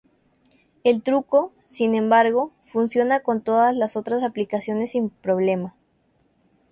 El truco, sin embargo, funciona con todas las otras aplicaciones sin problemas.